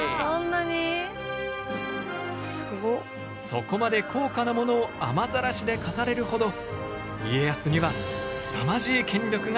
そこまで高価なものを雨ざらしで飾れるほど家康にはすさまじい権力があったのだ。